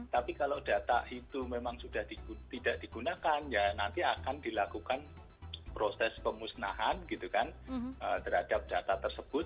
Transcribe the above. tapi kalau data itu memang sudah tidak digunakan ya nanti akan dilakukan proses pemusnahan gitu kan terhadap data tersebut